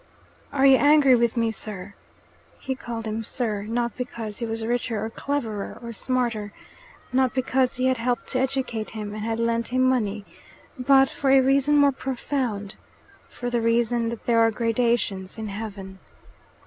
"Are you angry with me, sir?" He called him "sir," not because he was richer or cleverer or smarter, not because he had helped to educate him and had lent him money, but for a reason more profound for the reason that there are gradations in heaven.